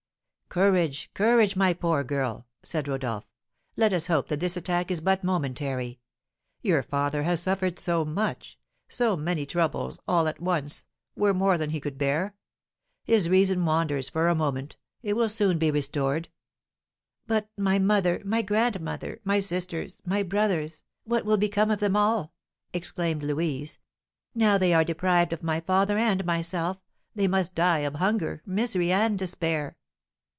"Courage, courage, my poor girl," said Rodolph, "let us hope that this attack is but momentary. Your father has suffered so much; so many troubles, all at once, were more than he could bear. His reason wanders for a moment; it will soon be restored." "But my mother, my grandmother, my sisters, my brothers, what will become of them all?" exclaimed Louise, "Now they are deprived of my father and myself, they must die of hunger, misery and despair!"